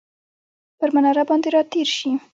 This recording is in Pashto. پر مناره باندې راتیرشي،